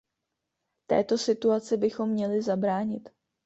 Této situaci bychom měli zabránit.